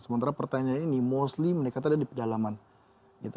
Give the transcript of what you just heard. sementara pertanyaan ini mostly mereka ada di pejalaman gitu